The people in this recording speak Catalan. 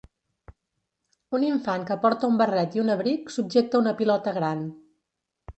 Un infant que porta un barret i un abric subjecta una pilota gran.